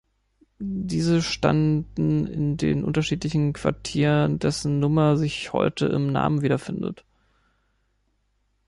Diese standen in unterschiedlichen Quartieren, dessen Nummer sich heute im Namen wiederfindet.